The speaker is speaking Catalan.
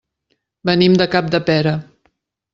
Venim de Capdepera.